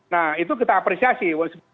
nah itu kita apresiasi